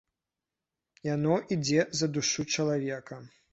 Яно ідзе за душу чалавека.